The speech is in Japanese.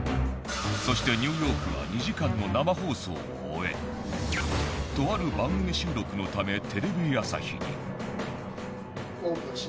そしてニューヨークはとある番組収録のためテレビ朝日に。